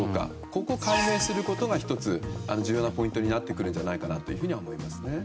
ここを解明することが１つ、重要なポイントになってくると思います。